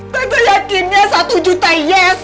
tapi yakinnya satu juta yes